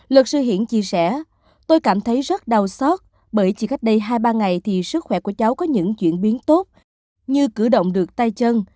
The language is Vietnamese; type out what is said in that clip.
luật sư hiển chia sẻ tôi cảm thấy rất đau xót bởi chỉ cách đây hai ba ngày thì sức khỏe của cháu có những chuyển biến tốt như cử động được tay chân